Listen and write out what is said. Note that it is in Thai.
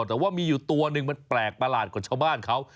แต่ว่ามีอยู่ตัวหนึ่งมันแปลกประหลาดกว่าชาวบ้านเขา